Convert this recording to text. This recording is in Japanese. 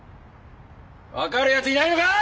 分かるやついないのか！